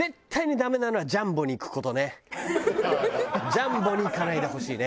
「ジャンボ」にいかないでほしいね。